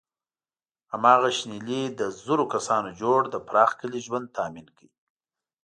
هماغه شنیلي له زرو کسانو جوړ د پراخ کلي ژوند تأمین کړ.